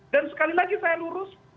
dan sekali lagi saya lurus